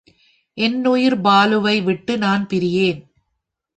என் உயிர் பாலுவை விட்டு நான் பிரியேன்.